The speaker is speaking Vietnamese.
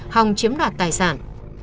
hòng chiếm đoạt tài sản